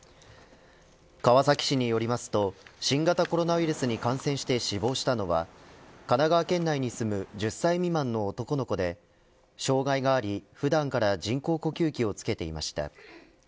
川崎市によりますと新型コロナウイルスに感染して死亡したのは神奈川県内に住む１０歳未満の男の子で障がいがあり、普段から人工呼吸器をつけていました。